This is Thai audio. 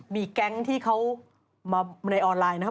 มีแก๊งที่เขามาในออนไลน์นะครับ